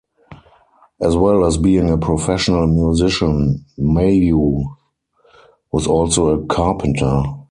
As well as being a professional musician, Mayhew was also a carpenter.